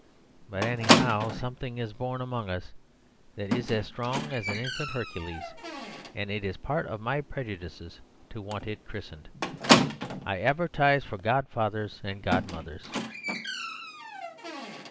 But, anyhow, something is born among us that is as strong as an infant Hercules: and it is part of my prejudices to want it christened. I advertise for godfathers and godmothers.